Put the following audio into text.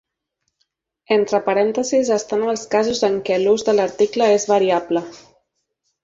Entre parèntesis estan els casos en què l'ús de l'article és variable.